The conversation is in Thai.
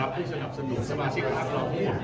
ที่สนับสนุนสมาชิกตากร๘๕๔๓ทุกคน